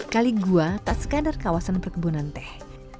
kaligua tak sekadar kawasan perkebunan teh